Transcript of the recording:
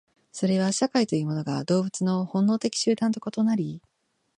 それは社会というものが動物の本能的集団と異なり、